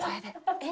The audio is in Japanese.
「えっ？」。